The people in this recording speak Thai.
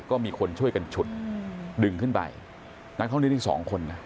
ก็มีคนช่วยกันฉุดดึงขึ้นไปนั้นเขาเรียกถึง๒คนนะ